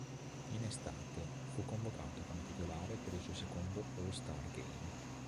In estate, fu convocato come titolare per il suo secondo All-Star Game.